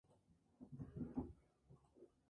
Pasada la fecha la predicción no llegó a cumplirse.